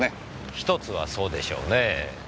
１つはそうでしょうねぇ。